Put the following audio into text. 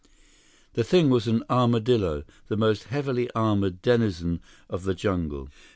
The thing was an armadillo, the most heavily armored denizen of the jungle.